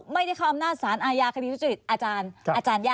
มาแล้วแน่สักครู่ค่ะ